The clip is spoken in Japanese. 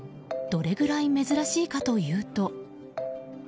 どれぐらい珍しいかというと。